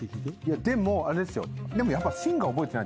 でもあれですよ。